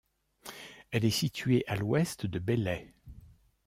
Elle est située à à l'ouest de Belley.